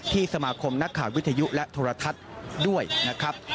สมาคมนักข่าววิทยุและโทรทัศน์ด้วยนะครับ